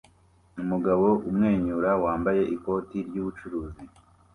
Umugabo umwenyura wambaye ikoti ryubucuruzi